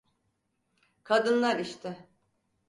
Kadınlar işte.